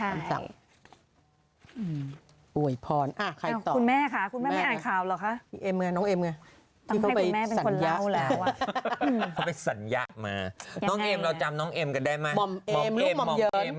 อ่ะใครก็แม่ค่ะคุณไม่อ่านข่าวหรอกคะเธอไปสั่นยะมาเราจำน้องเอ็มกันได้ไหม